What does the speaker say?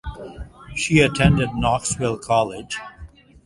She attended Knoxville College.